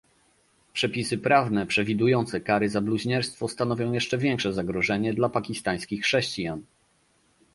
Przepisy prawne przewidujące kary za bluźnierstwo stanowią jeszcze większe zagrożenie dla pakistańskich chrześcijan